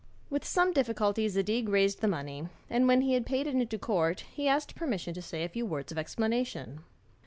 With some difficulty Zadig raised the money, and when he had paid it into court, he asked permission to say a few words of explanation.